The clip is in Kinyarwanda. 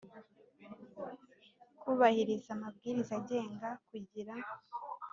kubahiriza amabwiriza agenga kugira